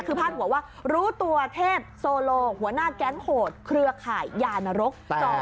คือพาดหัวว่ารู้ตัวเทพโซโลหัวหน้าแก๊งโหดเครือข่ายยานรก